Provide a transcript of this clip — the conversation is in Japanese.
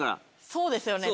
そうですよね